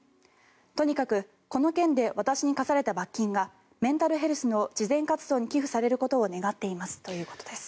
とにかく、この件で私に科された罰金がメンタルヘルスの慈善活動に寄付されることを願っていますということです。